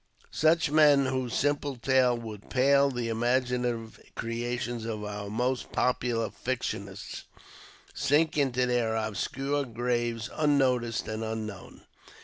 Such men, whose simple tale would pale the imaginative creations of our most popular fictionists, sink into their obscure graves unnoticed and unknown.